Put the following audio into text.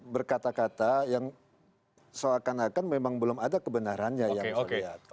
berkata kata yang seakan akan memang belum ada kebenarannya yang saya lihat